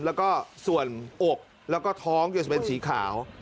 แล้วก็ส่วนอกแล้วก็ท้องจะเป็นสีขาว